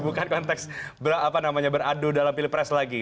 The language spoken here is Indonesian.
bukan konteks beradu dalam pilih presiden